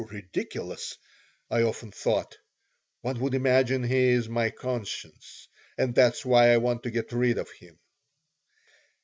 "How ridiculous," I often thought. "One would imagine he's my conscience and that's why I want to get rid of him."